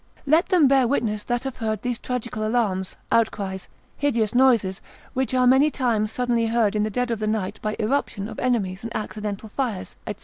Let them bear witness that have heard those tragical alarms, outcries, hideous noises, which are many times suddenly heard in the dead of the night by irruption of enemies and accidental fires, &c.